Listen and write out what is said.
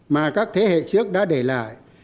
mà các thế hệ trước đã để lại